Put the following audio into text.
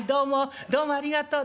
どうもありがとう。